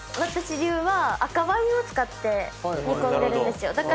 私流は赤ワインを使って煮込んでるんですよ。